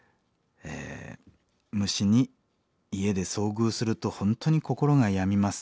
虫に家で遭遇すると本当に心が病みます。